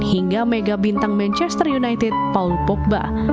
hingga mega bintang manchester united pau pogba